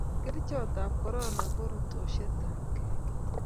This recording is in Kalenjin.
kerchot ab korona ko rutoshiet ab kei